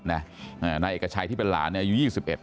นายเอกชัยที่เป็นหลานอายุ๒๑